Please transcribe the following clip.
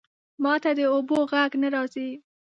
ماته د اوبو ژغ نه راځی